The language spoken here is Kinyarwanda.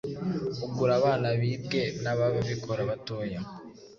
ugura abana bibwe n'aba babikora batoya,